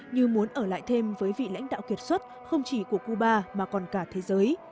như muốn ở lại thêm với vị lãnh đạo kiệt xuất không chỉ của cuba mà còn cả thế giới